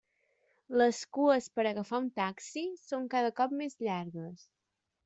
Les cues per agafar un taxi són cada cop més llargues.